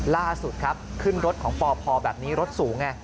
ล่าสุดครับขึ้นรถของปพแบบนี้รถสูงไง